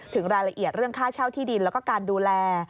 ถึงรายละเอียดเรื่องค่าเช่าที่ดินแล้วก็การดูแล